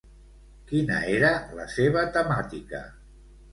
Quina era la seva temàtica?